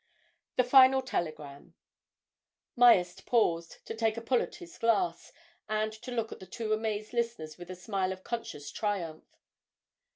THE FINAL TELEGRAM Myerst paused, to take a pull at his glass, and to look at the two amazed listeners with a smile of conscious triumph.